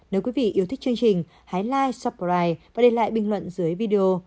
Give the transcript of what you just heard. nếu quý vị yêu thích chương trình hãy like subscribe và để lại bình luận dưới video